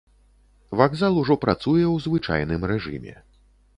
Вакзал ужо працуе ў звычайным рэжыме.